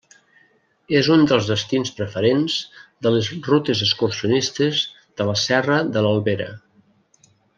És un dels destins preferents de les rutes excursionistes de la Serra de l'Albera.